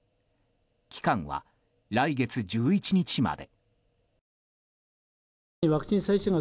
期間は来月１１日まで。